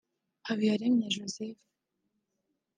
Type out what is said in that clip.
Habiyaremye Joseph